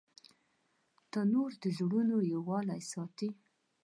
تنور د زړونو یووالی ساتي